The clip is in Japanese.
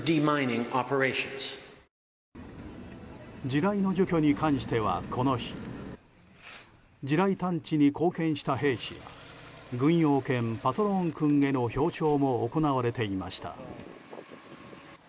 地雷の除去に関してはこの日地雷探知に貢献した兵士軍用犬パトローン君への表彰も行われていました。